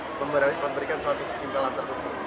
saya merarik memberikan suatu kesimpulan tersebut